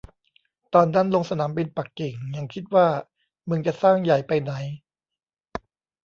ตอนนั้นลงสนามบินปักกิ่งยังคิดว่า มึงจะสร้างใหญ่ไปไหน